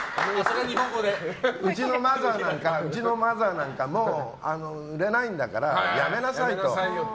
うちのマザーなんかも売れないんだからやめなさいよって。